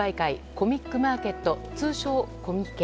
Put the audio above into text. コミックマーケット、通称コミケ。